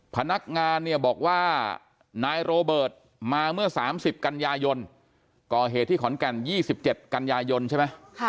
พนักงานเนี่ยบอกว่านายโรเบิร์ตมาเมื่อ๓๐กันยายนก่อเหตุที่ขอนแก่น๒๗กันยายนใช่ไหม